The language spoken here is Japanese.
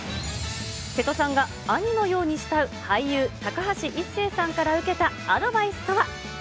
瀬戸さんが兄のように慕う俳優、高橋一生さんから受けたアドバイスとは。